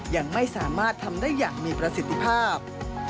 ยังไม่สามารถทำได้อย่างมีประสิทธิภาพ